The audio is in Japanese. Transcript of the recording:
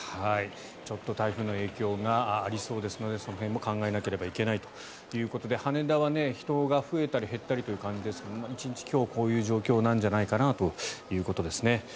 ちょっと台風の影響がありそうですのでその辺も考えなければいけないということで羽田は人が増えたり減ったりという感じですが１日、今日こういう状況なんじゃないかなということですね。